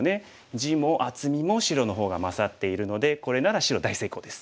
地も厚みも白の方が勝っているのでこれなら白大成功です。